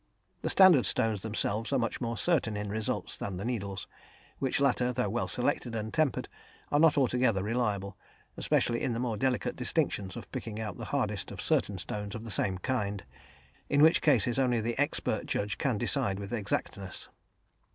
The standard stones themselves are much more certain in results than the needles, which latter, though well selected and tempered, are not altogether reliable, especially in the more delicate distinctions of picking out the hardest of certain stones of the same kind, in which cases only the expert judge can decide with exactness.